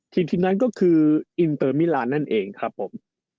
ทีมทีมนั้นก็คืออินเตอร์มิลานนั่นเองครับผม